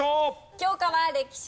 教科は歴史です。